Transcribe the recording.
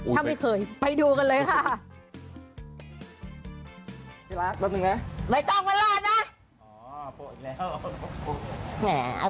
ถ้าไม่เคยไปดูกันเลยค่ะ